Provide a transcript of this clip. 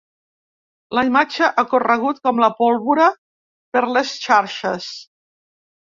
La imatge ha corregut com la pólvora per les xarxes.